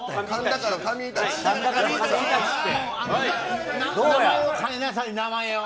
かみなさい、名前を。